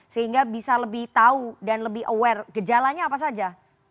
sehingga bisa lebih tahu dan lebih aware gejalanya apa saja